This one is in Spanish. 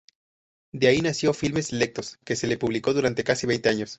De ahí nació, "Filmes selectos", que se publicó durante casi veinte años.